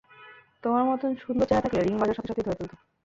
তোমার মতন সুন্দর চেহারা থাকলে, রিং বাজার সাথে সাথেই ধরে ফেলত।